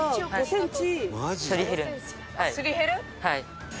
はい。